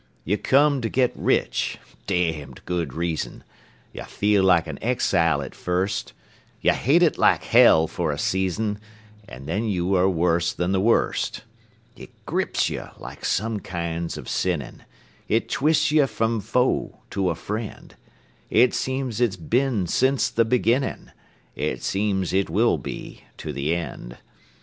You come to get rich (damned good reason); You feel like an exile at first; You hate it like hell for a season, And then you are worse than the worst. It grips you like some kinds of sinning; It twists you from foe to a friend; It seems it's been since the beginning; It seems it will be to the end.